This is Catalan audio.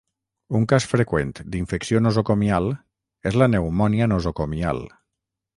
Un cas freqüent d'infecció nosocomial és la pneumònia nosocomial.